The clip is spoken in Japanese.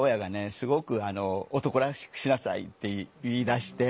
すごく「男らしくしなさい」って言いだして。